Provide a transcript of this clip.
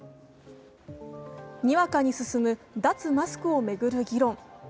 にわかに進む脱マスクを巡る議論。